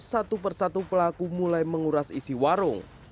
satu persatu pelaku mulai menguras isi warung